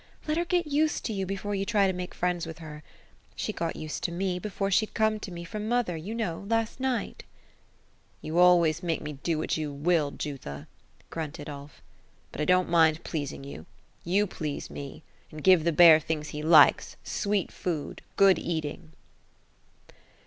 Let her get used to you, before you try to make friends with her. She got used to me, be fore she'd come to me from mother, you know, last night" " You always make me do what you will, Jutha ;" grunted Ulf ^ But I don't mind pleasing you ; you please me, and give the bear things he likes, sweet food — good eating."